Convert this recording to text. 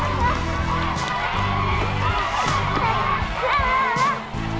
เร็ว